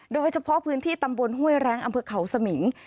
โดยเฉพาะพื้นที่ตำบลห้วยแรงอำเภอเขาสมิง